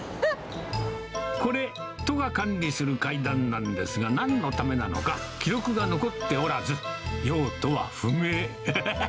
これ、都が管理する階段なんですが、なんのためなのか、記録が残っておらず、用途は不明。